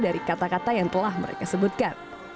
dari kata kata yang telah mereka sebutkan